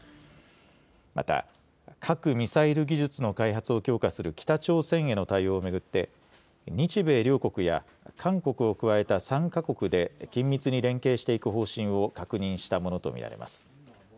また、核・ミサイル技術の開発を強化する北朝鮮への対応を巡って、日米両国や韓国を加えた３か国で緊密に連携していく方針を確認したものと見られます。